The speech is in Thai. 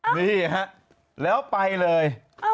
นี่ฮะแล้วไปเลย